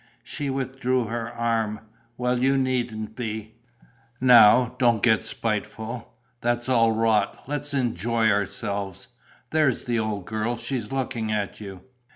She withdrew her arm: "Well, you needn't be." "Now don't get spiteful. That's all rot: let's enjoy ourselves. There is the old girl: she's looking at you."